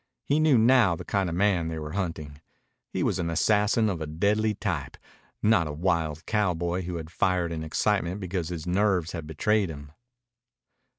He knew now the kind of man they were hunting. He was an assassin of a deadly type, not a wild cowboy who had fired in excitement because his nerves had betrayed him.